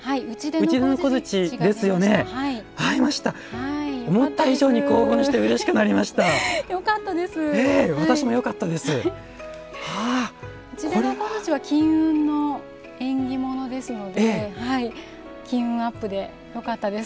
打出の小槌は金運の縁起物ですので金運アップでよかったです。